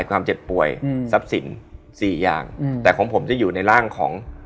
เกาะดอนโพ